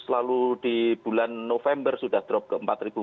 lalu di bulan november sudah drop ke empat empat ratus delapan puluh tiga